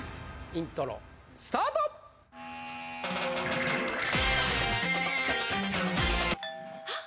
イントロスタートあっ！